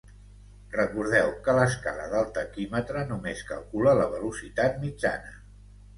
Recordeu que l'escala del taquímetre només calcula la velocitat mitjana.